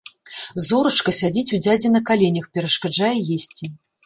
Зорачка сядзіць у дзядзі на каленях, перашкаджае есці.